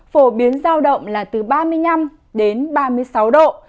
phổ biến giao động là từ ba mươi năm đến ba mươi sáu độ